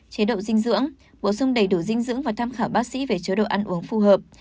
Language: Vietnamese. chế độ dinh dưỡng bổ sung đầy đủ dinh dưỡng và tham khảo bác sĩ về chế độ ăn uống phù hợp